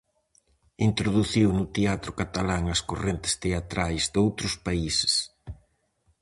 Introduciu no teatro catalán as correntes teatrais doutros países.